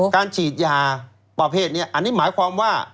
การฉีดยาประเภทนี้อันนี้หมายความว่า